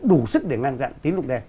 đủ sức để ngăn chặn tín dụng đen